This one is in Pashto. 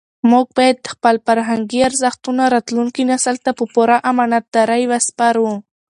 موږ باید خپل فرهنګي ارزښتونه راتلونکي نسل ته په پوره امانتدارۍ وسپارو.